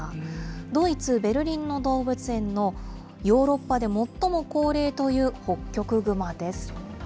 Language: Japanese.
ドイツ・ベルリンの動物園のヨーロッパで最も高齢というホッキョクグマです。